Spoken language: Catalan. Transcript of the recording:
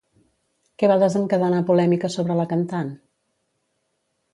Què va desencadenar polèmica sobre la cantant?